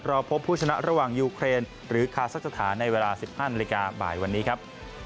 รอพบผู้ชนะระหว่างยูเครนหรือคาซักสถานในเวลา๑๕นาฬิกาบ่ายวันนี้ครับ